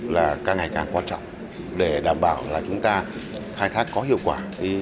là càng ngày càng quan trọng để đảm bảo là chúng ta khai thác có hiệu quả